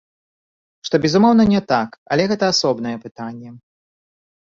Што, безумоўна, не так, але гэта асобнае пытанне.